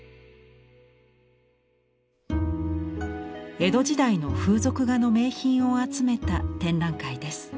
江戸時代の風俗画の名品を集めた展覧会です。